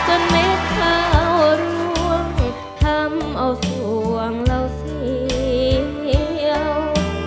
เอาส่วงเราเสี่ยว